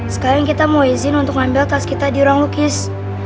sekarang kita mau izin untuk mengambil tas kita di ruang lukis